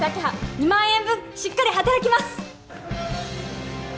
２万円分しっかり働きます